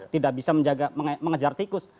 tidak bisa menjaga mengejar tikus